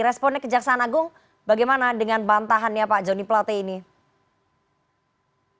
responnya kejaksaan agung bagaimana dengan bantahannya pak joni plate ini